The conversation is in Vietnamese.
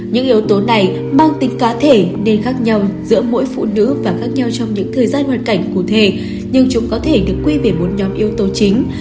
những yếu tố này mang tính cá thể nên khác nhau giữa mỗi phụ nữ và khác nhau trong những thời gian hoàn cảnh cụ thể nhưng chúng có thể được quy về một nhóm yếu tố chính